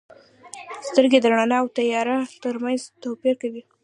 • سترګې د رڼا او تیاره ترمنځ توپیر کوي.